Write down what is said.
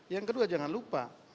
yang kedua jangan lupa